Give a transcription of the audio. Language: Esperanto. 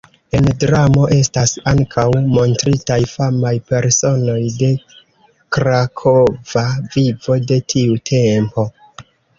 En dramo estas ankaŭ montritaj famaj personoj de krakova vivo de tiu tempo.